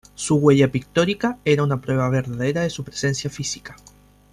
Su huella pictórica era una prueba verdadera de su presencia física.